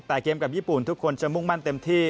แต่เกมกับญี่ปุ่นทุกคนจะมุ่งมั่นเต็มที่